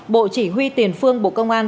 bộ chỉ huy tiền phương bộ công an